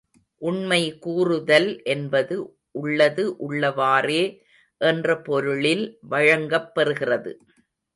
உண்மை கூறுதல் என்பது உள்ளது உள்ளவாறே என்ற பொருளில் வழங்கப் பெறுகிறது.